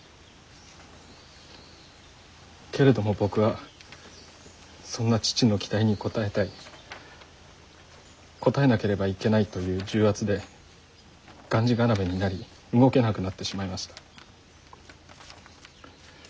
けれども僕はそんな父の期待に応えたい応えなければいけないという重圧でがんじがらめになり動けなくなってしまいました。